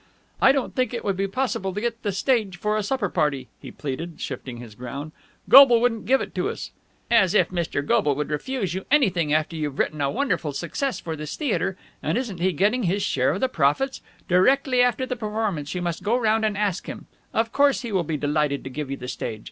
"I don't think it would be possible to get the stage for a supper party," he pleaded, shifting his ground. "Goble wouldn't give it to us." "As if Mr. Goble would refuse you anything after you have written a wonderful success for this theatre! And isn't he getting his share of the profits? Directly after the performance you must go round and ask him. Of course he will be delighted to give you the stage.